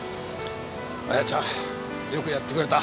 あやちゃんよくやってくれた。